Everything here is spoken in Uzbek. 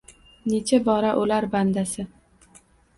Necha bora oʼlar bandasi.